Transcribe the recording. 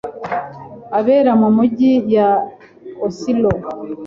abera mu migi ya Osilo